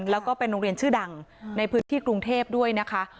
แล้วก็เป็นโรงเรียนชื่อดังในพื้นที่กรุงเทพด้วยนะคะ